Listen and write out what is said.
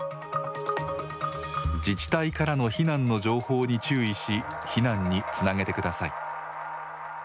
自治体からの避難の情報に注意し、避難につなげてください。